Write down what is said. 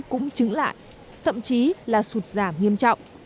cũng chứng lại thậm chí là sụt giảm nghiêm trọng